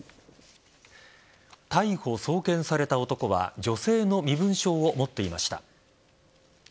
逮捕・送検された男は女性の身分証を持っていました。